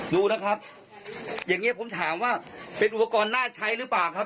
ดูนะครับอย่างนี้ผมถามว่าเป็นอุปกรณ์น่าใช้หรือเปล่าครับ